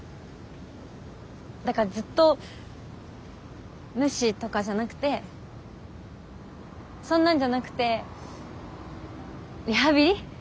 だからずっと無視とかじゃなくてそんなんじゃなくてリハビリ？